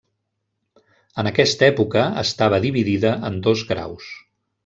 En aquesta època estava dividida en dos graus: